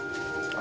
あ。